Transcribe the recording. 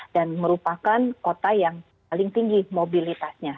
dan merupakan kota yang paling tinggi mobilitasnya